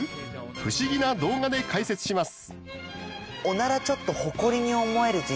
不思議な動画で解説します。